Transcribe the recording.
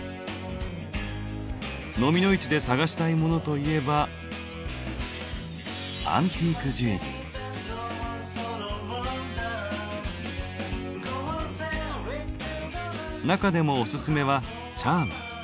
のみの市で探したいモノといえば中でもお薦めはチャーム。